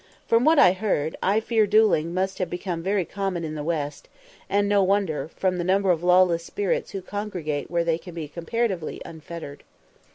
From what I heard, I fear duelling must have become very common in the West, and no wonder, from the number of lawless spirits who congregate where they can be comparatively unfettered.